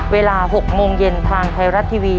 เวลา๖โมงเย็นทางไทยรัฐทีวี